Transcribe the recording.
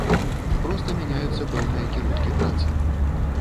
Проста мяняюцца пэўныя кірункі працы.